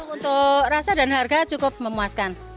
untuk rasa dan harga cukup memuaskan